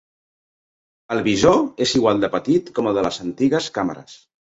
El visor és igual de petit com el de les antigues càmeres.